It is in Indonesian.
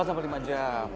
empat sampai lima jam